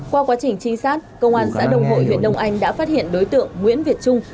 qua quá trình trinh sát công an xã đồng hội huyện đông anh đã phát hiện đối tượng nguyễn việt trung